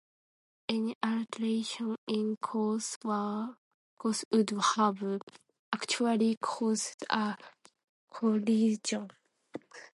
Any alteration in course would have actually caused a collision.